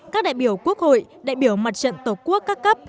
các đại biểu quốc hội đại biểu mặt trận tổ quốc các cấp